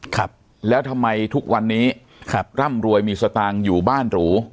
ครับแล้วทำไมทุกวันนี้ครับร่ำรวยมีสตางค์อยู่บ้านหรู